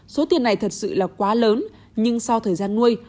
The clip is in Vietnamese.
số tiền này thật sự là quá lớn nhưng sau thời gian nuôi